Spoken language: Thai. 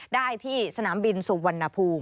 ได้ที่สนามบินสุวรรณภูมิ